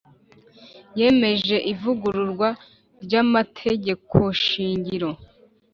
Yemeje ivugururwa ry Amategekoshingiro